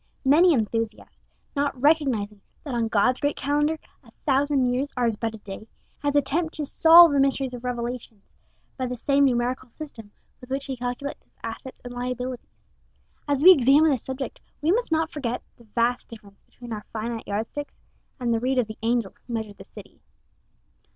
Many an enthusiast, not recognizing that on God's great calendar a thousand years are but as a day, has attempted to solve the mysteries of Revelations by the same numerical system with which he calculates his assets and liabilities. As we examine this subject, we must not forget the vast difference between our finite yardsticks, and the reed of the angel who measured the city.